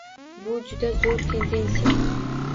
Bu juda zo‘r tendensiya.